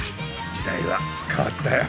時代は変わったよ！